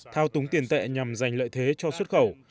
thao túng tiền tệ nhằm giành lợi thế cho xuất khẩu